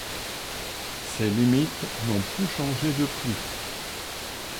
Ses limites n'ont plus changé depuis.